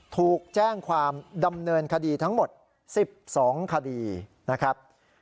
ถูกแจ้งความดำเนินคดีทั้งหมด๑๒คดีนะครับ